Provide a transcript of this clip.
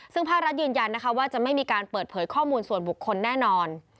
ซึ่งภาครัฐยืนยันนะคะว่าจะไม่มีการเปิดเผยข้อมูลส่วนบุคคลแน่นอน